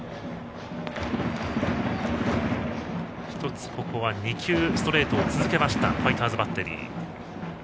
１つここは２球ストレートを続けたファイターズバッテリー。